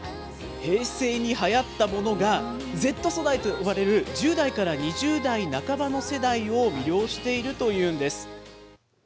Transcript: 平成にはやったものが、Ｚ世代と呼ばれる１０代から２０代半ばの世代を魅了しているというんです。